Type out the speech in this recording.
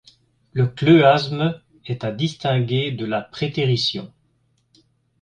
Le chleuasme est à distinguer de la prétérition.